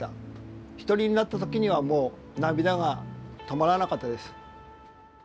一人になった時にはもう涙が止まらなかったです。